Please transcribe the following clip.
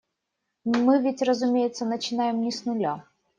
Мы ведь, разумеется, начинаем не с нуля.